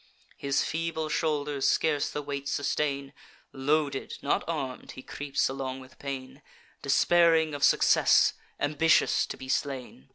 His feeble shoulders scarce the weight sustain; Loaded, not arm'd, he creeps along with pain, Despairing of success, ambitious to be slain!